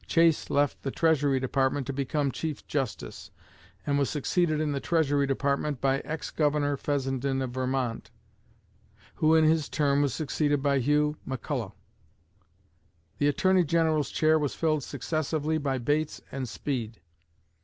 Chase left the Treasury Department to become Chief Justice, and was succeeded in the Treasury Department by ex Governor Fessenden of Vermont, who in his turn was succeeded by Hugh McCulloch. The Attorney General's chair was filled successively by Bates and Speed.